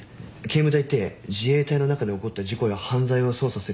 警務隊って自衛隊の中で起こった事故や犯罪を捜査する部隊ですよね？